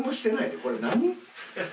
これ何？